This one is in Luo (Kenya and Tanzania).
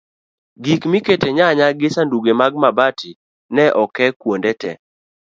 gik mikete nyanya gi sanduge mag mabat ne oke kwonde te